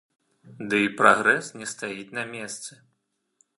Дый прагрэс не стаіць на месцы.